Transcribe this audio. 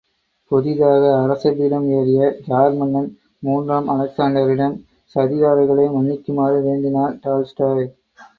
புதிதாக அரச பீடம் ஏறிய ஜார் மன்னன் மூன்றாம் அலெக்சாண்டரிடம், சதிகாரர்களை மன்னிக்குமாறு வேண்டினார் டால்ஸ்டாய்.